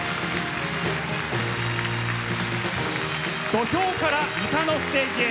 土俵から歌のステージへ。